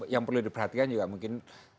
yang perlu diperhatikan juga mungkin